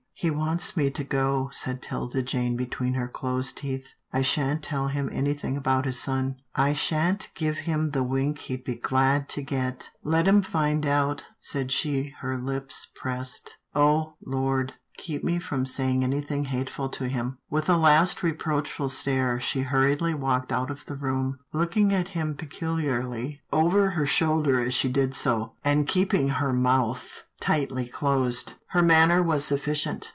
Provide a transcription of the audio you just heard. " He wants me to go," said 'Tilda Jane between her closed teeth. " I shan't tell him anything about his son. I shan't give him the wink he'd be glad A CALL ON THE MERCHANT 65 to get. Let him find out," and she pressed her lips together. " Oh ! Lord, keep me from saying any thing hateful to him." With a last reproachful stare, she hurriedly walked out of the room, looking at him peculiarly over her shoulder as she did so, and keeping her mouth tightly closed. Her manner was sufficient.